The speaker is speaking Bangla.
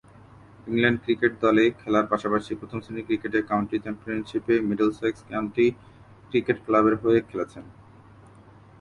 ইংল্যান্ড ক্রিকেট দলে খেলার পাশাপাশি প্রথম-শ্রেণীর ক্রিকেটে কাউন্টি চ্যাম্পিয়নশীপে মিডলসেক্স কাউন্টি ক্রিকেট ক্লাবের হয়ে খেলছেন।